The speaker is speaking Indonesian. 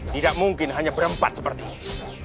tidak mungkin hanya berempat seperti ini